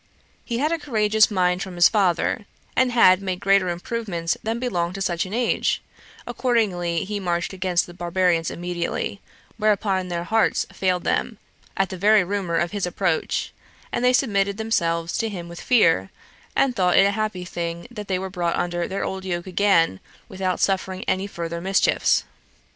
He had a courageous mind from his father, and had made greater improvements than belonged to such an age: accordingly he marched against the barbarians immediately; whereupon their hearts failed them at the very rumor of his approach, and they submitted themselves to him with fear, and thought it a happy thing that they were brought under their old yoke again without suffering any further mischiefs.